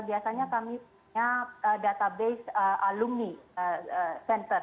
biasanya kami punya database alumni center